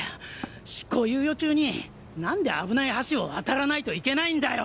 執行猶予中になんで危ない橋を渡らないといけないんだよ！